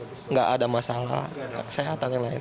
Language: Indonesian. tidak ada masalah kesehatan yang lain